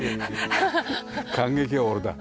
感激は俺だ。